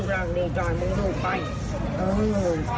พ่อมันพ่อมัน